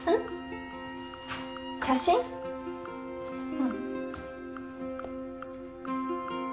うん。